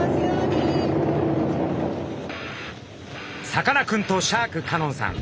さかなクンとシャーク香音さん